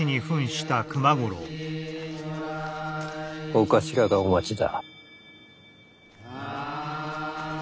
・・お頭がお待ちだ。